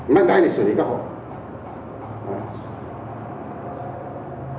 mãi tay để xử lý các hội